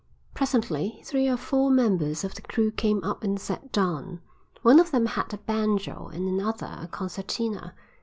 Presently three or four members of the crew came up and sat down. One of them had a banjo and another a concertina.